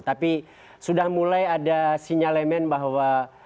tapi ada sinyalemen bahwa